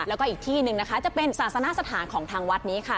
แล้วก็อีกที่หนึ่งนะคะจะเป็นศาสนสถานของทางวัดนี้ค่ะ